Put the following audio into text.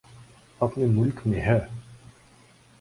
اپنے ملک میں ہے۔